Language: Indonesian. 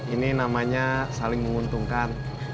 ini namanya saling menguntungkan